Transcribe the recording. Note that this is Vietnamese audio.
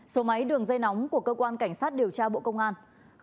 số máy đường dây nóng của cơ quan cảnh sát điều tra bộ công an